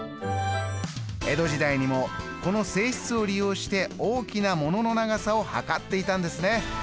江戸時代にもこの性質を利用して大きなものの長さを測っていたんですね。